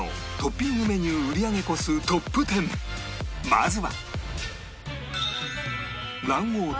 まずは